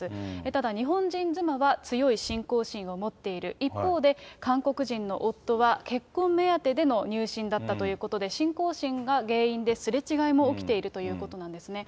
ただ日本人妻は強い信仰心を持っている、一方で、韓国人の夫は結婚目当てでの入信だったということで、信仰心が原因ですれ違いも起きているということなんですね。